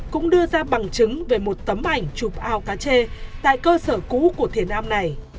cũng đưa ra bằng chứng về một tấm ảnh chụp ao cá chê tại cơ sở cũ của thế nam này